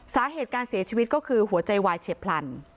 สาเหตุการเสียชีวิตก็คือหัวใจวายเฉียบพลัน